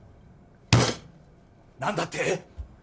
何だって！？